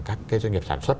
các cái doanh nghiệp sản xuất